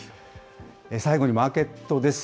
最後にマーケットです。